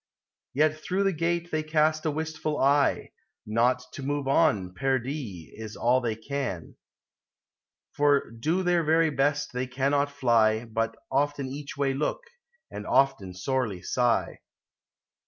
Yet through the gate they east a wisful eye : Not to move on, perdie, is all they can: For do their very best they cannot fly, But often each way look, and often sorely sigh.